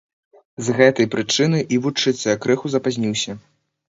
З гэтай прычыны і вучыцца я крыху запазніўся.